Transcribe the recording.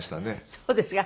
そうですか。